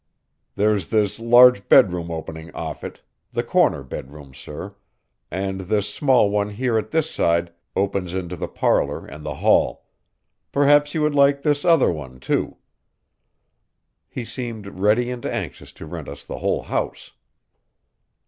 There's this large bedroom opening off it, the corner bedroom, sir, and this small one here at this side opens into the parlor and the hall. Perhaps you would like this other one, too." He seemed ready and anxious to rent us the whole house.